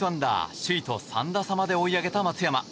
首位と３打差まで追い上げた松山。